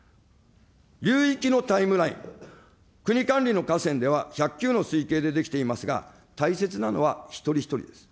流域のタイムライン、国管理の河川では体系で出来ていますが、大切なのは一人一人です。